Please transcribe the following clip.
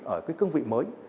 ở cái cương vị mới